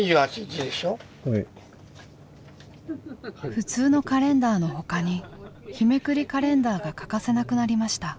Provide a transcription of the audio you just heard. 普通のカレンダーのほかに日めくりカレンダーが欠かせなくなりました。